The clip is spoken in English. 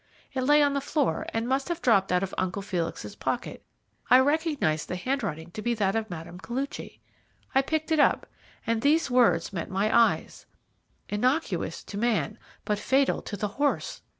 It lay on the floor, and must have dropped out of Uncle Felix's pocket. I recognized the handwriting to be that of Mme. Koluchy, I picked it up, and these words met my eyes: 'Innocuous to man, but fatal to the horse.'